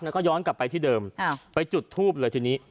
แล้วก็ย้อนกลับไปที่เดิมไปจุดทูบเลยทีนี้